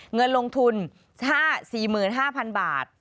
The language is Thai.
เงินลงทุน๔๕๐๐๐บาท